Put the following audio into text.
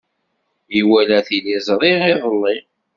Iwala tiliẓri iḍelli.